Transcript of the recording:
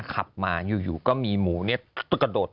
ขับมาอยู่ก็มีหมูกระโดด